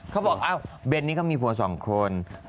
เขาบอกอะเบนนี่เขามีผัวสองคน